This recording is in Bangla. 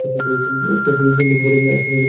একটাকে চীন দেশে পাঠিয়ে দে, একটাকে জাপান দেশে পাঠা।